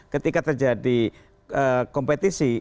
ketika terjadi kompetisi